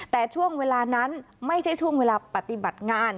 แต่ช่วงเวลานั้นไม่ใช่ช่วงเวลาปฏิบัติงาน